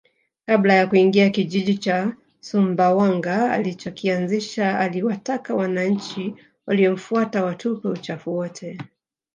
Kabla ya kuingia kijiji cha Sumbawanga alichokianzisha aliwataka wananchi waliomfuata watupe uchafu wote